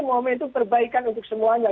momentum perbaikan untuk semuanya